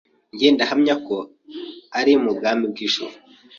Njye ndahamya ko ari mu bwami bw’ijuru.